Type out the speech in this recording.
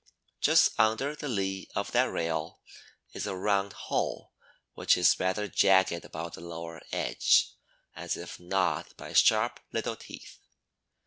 Just under the lee of that rail is a round hole which is rather jagged about the lower edge as if gnawed by sharp little teeth.